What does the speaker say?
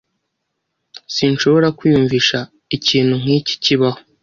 Sinshobora kwiyumvisha ikintu nk'iki kibaho